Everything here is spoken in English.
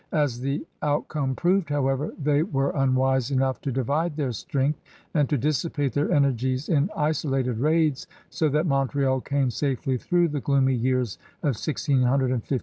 As the outcome proved, however, they were imwise enough to divide their strength and to dissipate their energies in isolated raids, so that Montreal came safely through the gloomy years of 1658 and 1659.